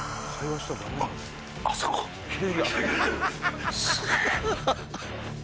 すげえ。